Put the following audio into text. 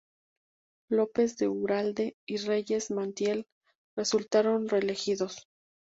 López de Uralde y Reyes Montiel resultaron reelegidos.